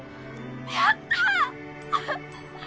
やった！